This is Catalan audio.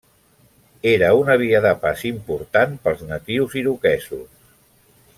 Era una via de pas important pels natius iroquesos.